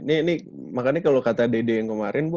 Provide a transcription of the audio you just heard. ini makanya kalau kata dede yang kemarin bu